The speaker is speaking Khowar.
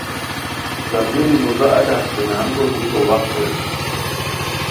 کندوری مُدہ اچہ ہتے نہنگو گیکو وخت ہوئے